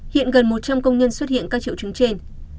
hiện gần một trăm linh công nhân xuất hiện các triệu chứng trên